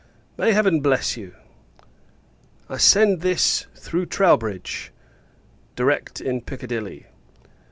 May Heaven bless you! I send this, through Troubridge, direct in Piccadilly.